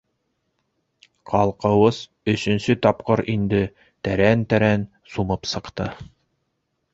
Ҡалҡыуыс өсөнсө тапҡыр инде тәрән-тәрән сумып сыҡты.